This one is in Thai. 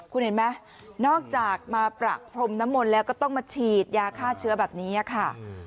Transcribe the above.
คุณเห็นไหมนอกจากมาประพรมน้ำมนต์แล้วก็ต้องมาฉีดยาฆ่าเชื้อแบบนี้ค่ะ